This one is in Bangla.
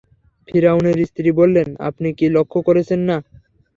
ফিরআউনের স্ত্রী বললেন, আপনি কি লক্ষ্য করছেন না?